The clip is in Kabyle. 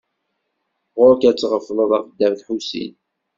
Ɣur-k ad tɣefleḍ ɣef Dda Lḥusin.